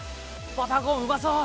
バターコーンうまそう！